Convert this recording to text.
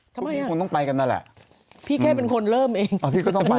คือบอกให้ไปเป็นเพื่อนหน่อยก็ไม่ยอมไป